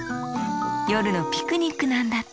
よるのピクニックなんだって！